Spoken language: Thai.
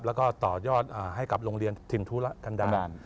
แล้วก็ต่อยอดให้กับโรงเรียนถิ่นธุระกันดางาน